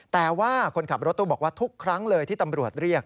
แต่ว่าคนขับรถตู้บอกว่าทุกครั้งเลยที่ตำรวจเรียก